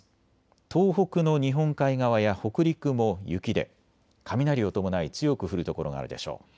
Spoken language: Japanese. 東北の日本海側や北陸も雪で雷を伴い強く降る所があるでしょう。